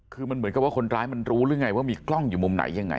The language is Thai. คือมันเหมือนกับว่าคนร้ายมันรู้หรือไงว่ามีกล้องอยู่มุมไหนยังไง